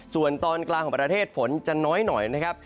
ส่วนตอนกลางของประเทศฝนจะน้อยหน่อยนะครับ